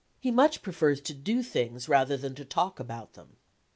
He much prefers to do things rather than to talk about them.